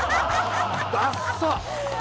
ダッサ！